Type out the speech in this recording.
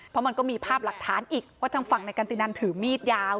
เพราะมันก็มีภาพหลักฐานอีกว่าทางฝั่งในการตินันถือมีดยาว